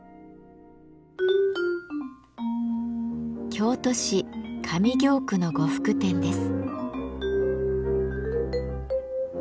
京都市上京区の呉服店です。